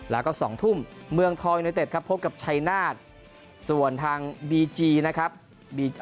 แล้วก็๒ทุ่มเมืองทองยูเนเต็ดครับพบกับชัยนาศส่วนทางบีจีนะครับ